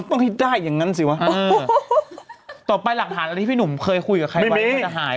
ต้องตั้งเนี่ยมีลายดูไปบ่อยเนี่ย